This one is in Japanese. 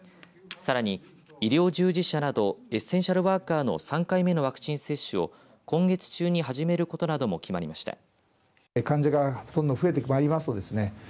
さらに医療従事者などエッセンシャルワーカーの３回目のワクチン接種を今月中に始めることなども決まりました。